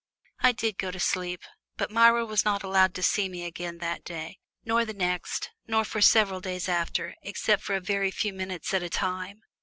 I did go to sleep, but Myra was not allowed to see me again that day, nor the next nor for several days after, except for a very few minutes at a time.